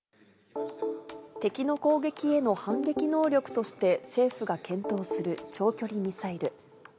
敵の攻撃への反撃能力として政府が検討する長距離ミサイル。